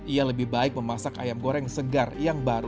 ia lebih baik memasak ayam goreng segar yang baru